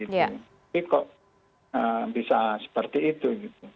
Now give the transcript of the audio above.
tapi kok bisa seperti itu